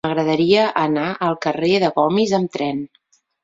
M'agradaria anar al carrer de Gomis amb tren.